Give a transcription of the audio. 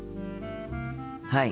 はい。